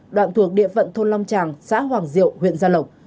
đoạn thuộc địa phận thôn long tràng xã hoàng diệu huyện gia lộc